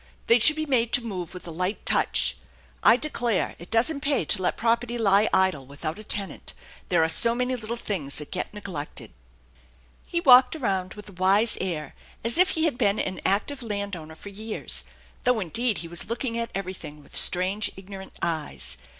They should be made to move with a light touch. I declare it doesn't pay to let property lie idle without a tenant, there are so many little things that get neglected.* THE ENCHANTED BARN 71 He walked around with a wise air as if he had been an active landowner for years, though indeed he was looking at everything with strange, ignorant eyes.